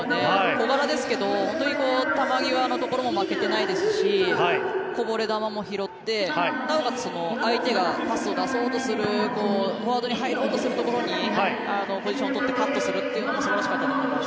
小柄ですけど本当に球際のところも負けていないですしこぼれ球も拾ってなおかつ相手がパスを出そうとするフォワードに入ろうとするところにポジションを取ってカットするというのも素晴らしかったと思います。